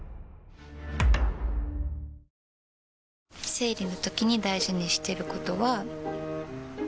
生理のときに大事にしてることは。